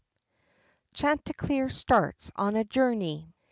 CHANTICLEER STARTS ON A JOURNEY.